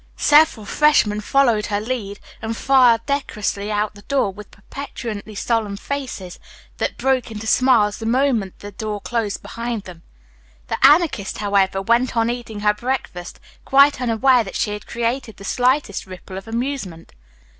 Several freshmen followed her lead and filed decorously out the door with preternaturally solemn faces that broke into smiles the moment the door closed behind them. The Anarchist, however, went on eating her breakfast, quite unaware that she had created the slightest ripple of amusement.